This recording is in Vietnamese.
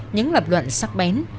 những lập luận sắc bén